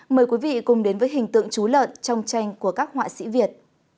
mời quý vị cùng đến với hình tượng chú lợn trong tranh của các họa sĩ việt